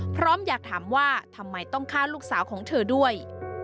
อยากถามว่าทำไมต้องฆ่าลูกสาวของเธอด้วย